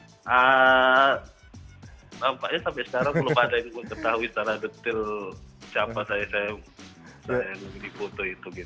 nampaknya sampai sekarang belum ada yang mengetahui secara detil siapa saya yang dipoto itu